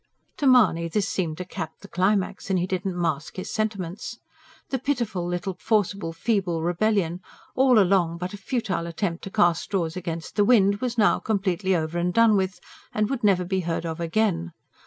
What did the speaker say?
To Mahony this seemed to cap the climax; and he did not mask his sentiments. The pitiful little forcible feeble rebellion, all along but a futile attempt to cast straws against the wind, was now completely over and done with, and would never be heard of again.